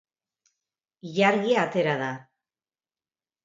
Ilargia atera da.